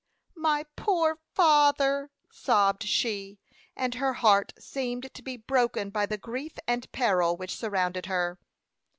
"My poor father!" sobbed she; and her heart seemed to be broken by the grief and peril which surrounded her.